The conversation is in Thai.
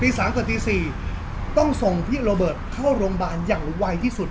ตีสามเกือบตีสี่ต้องส่งพี่โรเบิร์ดเข้าโรงบาลอย่างไวที่สุด